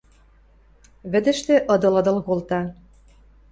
Вӹдӹштӹ ыдыл-ыдыл колта.